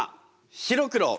白黒。